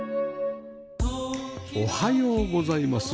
おはようございます。